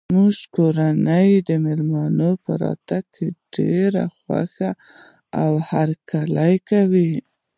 زموږ کورنۍ د مېلمنو راتګ ډیر خوښوي او هرکلی یی کوي